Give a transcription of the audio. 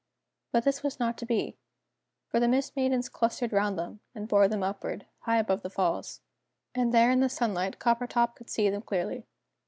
But this was not to be. For the Mist Maidens clustered round them, and bore them upward, high above the falls. And there in the sunlight, Coppertop could see them clearly.